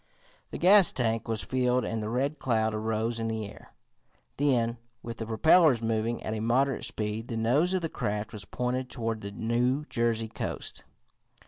The gas tank was filled and the Red Cloud arose in the air. Then, with the propellers moving at moderate speed, the nose of the craft was pointed toward the New Jersey coast.